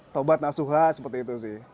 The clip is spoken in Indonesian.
taubat nasuha seperti itu sih